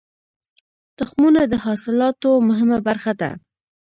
تخمونه د حاصلاتو مهمه برخه ده.